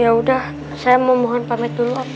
ya udah saya mau mohon pamit dulu